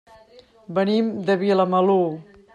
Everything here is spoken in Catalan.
Venim de Vilamalur.